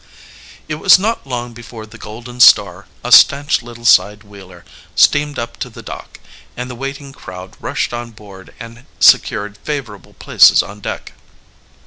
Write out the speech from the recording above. It was not long before the Golden Star, a stanch little side wheeler, steamed up to the dock, and the waiting crowd rushed on board and secured favorable places on deck.